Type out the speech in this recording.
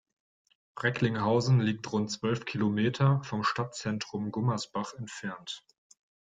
Recklinghausen liegt rund zwölf Kilometer vom Stadtzentrum Gummersbach entfernt.